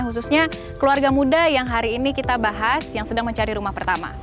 khususnya keluarga muda yang hari ini kita bahas yang sedang mencari rumah pertama